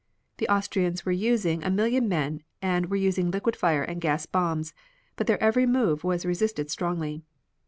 The Austrians were using a million men and were using liquid fire and gas bombs, but their every move was resisted strongly.